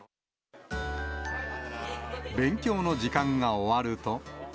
勉強の時間が終わると。